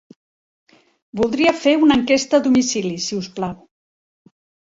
Voldria fer una enquesta a domicili, si us plau.